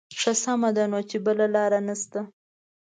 ښه سمه ده نو چې بله لاره نه شته.